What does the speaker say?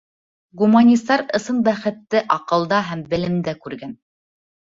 Гуманистар ысын бәхетте аҡылда һәм белемдә күргән.